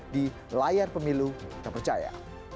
di layar pemilu yang percaya